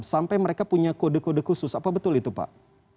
sampai mereka punya kode kode khusus apa betul itu pak